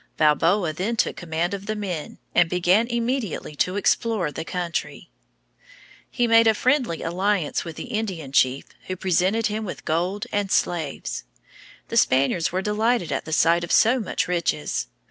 Balboa then took command of the men and began immediately to explore the country. He made a friendly alliance with an Indian chief, who presented him with gold and slaves. The Spaniards were delighted at the sight of so much riches.